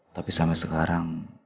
tapi sampai sekarang